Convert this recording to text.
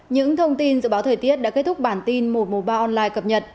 những thông tin dự báo thời tiết đã kết thúc bản tin một trăm một mươi ba online cập nhật